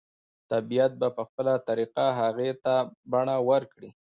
طبیعت به په خپله طریقه هغې ته بڼه ورکړي